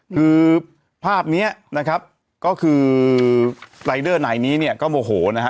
คือภาพนี้นะครับก็คือรายเดอร์นายนี้เนี่ยก็โมโหนะฮะ